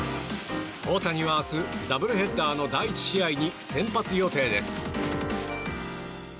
大谷は明日、ダブルヘッダーの第１試合に先発予定です。